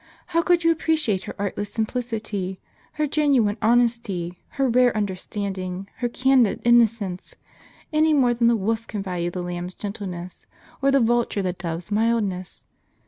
How could you appreciate her artless sim plicity, her genuine honesty, her rare understanding, her candid innocence, any more than the wolf can value the lamb's gentleness, or the vulture the dove's mildness?